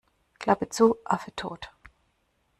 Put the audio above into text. Klappe zu, Affe tot.